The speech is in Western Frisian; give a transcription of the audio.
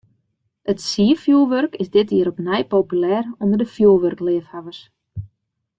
It sierfjurwurk is dit jier opnij populêr ûnder fjurwurkleafhawwers.